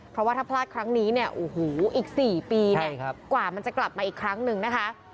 เพราะว่าถ้าพลาดครั้งนี้เนี่ยโอ้โหอีก๔ปีเนี่ยกว่ามันจะกลับมาอีกครั้งหนึ่งนะคะ